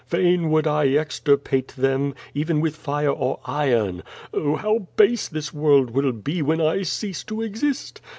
Fain would I extirpate them, even with fire or iron. Oh, hoAV base this world will be when I cease to exist!